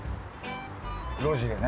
路地にね。